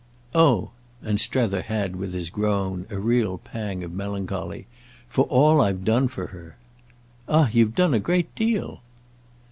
"Oh!"—and Strether had, with his groan, a real pang of melancholy. "For all I've done for her!" "Ah you've done a great deal."